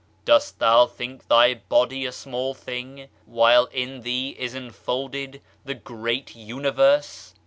"Dost thou think thy body a small thing, while in thee it enfolded the great universe?"